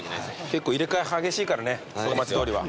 結構入れ替え激しいからね小町通りは。